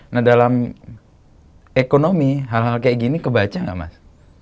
nah dalam ekonomi hal hal kayak gini kebaca nggak mas